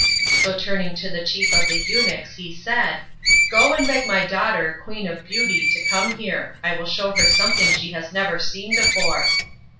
So turning to the chief of the eunuchs he said, "Go and beg my daughter, Queen of Beauty, to come here. I will show her something she has never seen before."